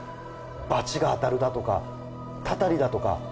「罰が当たるだとかたたりだとか」